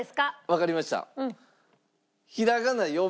わかりました。